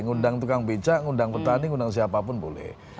mengundang tukang beca mengundang petani mengundang siapa pun boleh